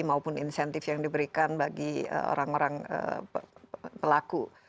maupun insentif yang diberikan bagi orang orang pelaku